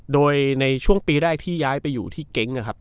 โดยในช่วงปีแรกที่ย้ายไปอยู่ที่เก๊งนะครับ